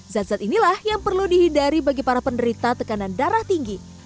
zat zat inilah yang perlu dihindari bagi para penderita tekanan darah tinggi